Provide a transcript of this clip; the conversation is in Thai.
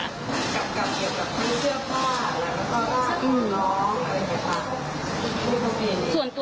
กับคนเชื้อผ้าและกับน้อง